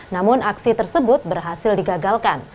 namun aksi tersebut berhasil digagalkan